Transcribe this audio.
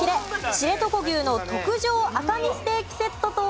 知床牛の特上赤身ステーキセットと。